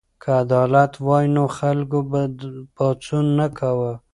که عدالت وای نو خلکو به پاڅون نه کاوه.